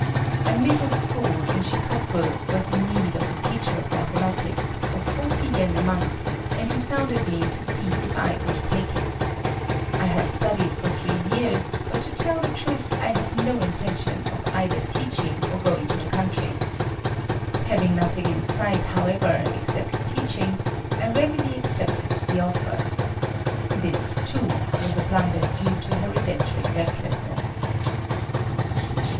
A middle school in Shikoku was in need of a teacher of mathematics for forty yen a month, and he sounded me to see if I would take it. I had studied for three years, but to tell the truth, I had no intention of either teaching or going to the country. Having nothing in sight, however, except teaching, I readily accepted the offer. This too was a blunder due to hereditary recklessness.